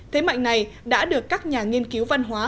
thế mạnh này đã được các nhà nghiên cứu văn hóa